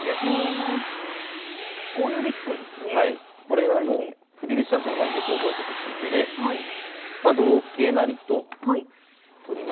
これはもう振り飛車党なら是非覚えてほしい手でま同桂成と取りますよね。